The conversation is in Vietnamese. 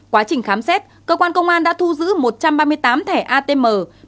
quá trình khám xét cơ quan công an đã thu giữ một trăm ba mươi tám thẻ atm